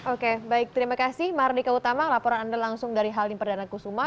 oke baik terima kasih mardika utama laporan anda langsung dari halim perdana kusuma